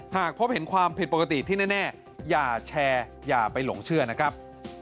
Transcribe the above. หากพบเห็นความผิดปกติที่แน่อย่าแชร์อย่าไปหลงเชื่อนะครับ